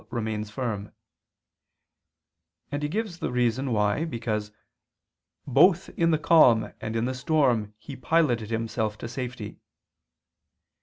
. remains firm"; and he gives the reason why, because "both in the calm and in the storm he piloted himself to safety."